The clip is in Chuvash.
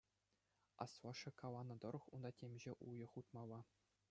Аслашшӗ каланӑ тӑрӑх, унта темиҫе уйӑх утмалла.